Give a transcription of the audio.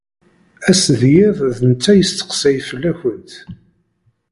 Ass d yiḍ d netta isteqsay fell-akent.